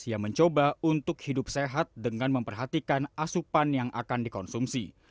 yang mencoba untuk hidup sehat dengan memperhatikan asupan yang akan dikonsumsi